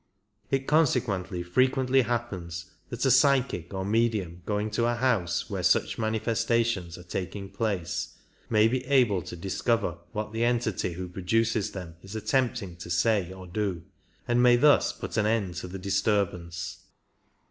It consequently frequently happens that a psychic or medium going to a house where such manifestations are taking place may be able to discover what the entity who produces them is attempting to say or 33 do, and may thus put an end to the disturbance.